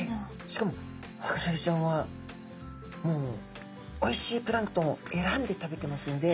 しかもワカサギちゃんはもうおいしいプランクトンを選んで食べてますので。